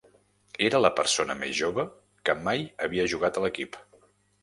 Era la persona més jove que mai havia jugat a l'equip.